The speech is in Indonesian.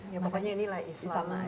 ya pokoknya inilah islam